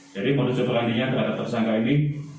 jadi modus operandinya terhadap tersangka ini